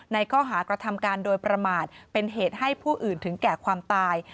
ในข้อหากระทำการโดยประมาทเป็นเหตุให้ผู้อื่นถึงแก่ความตาย